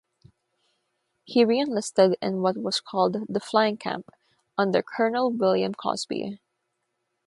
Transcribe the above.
He reenlisted in what was called the "Flying Camp" under Colonel William Cosby.